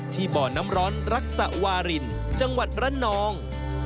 บ่อน้ำร้อนรักษะวารินจังหวัดระนอง